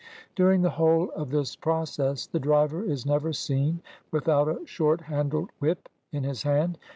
During the whole of this process, the driver is never seen without a short handled whip in his hand.